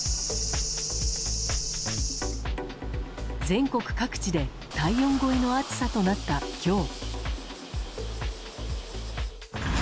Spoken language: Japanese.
全国各地で体温超えの暑さとなった今日。